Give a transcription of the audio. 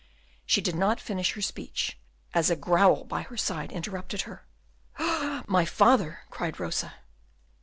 She did not finish her speech, as a growl by her side interrupted her. "My father!" cried Rosa.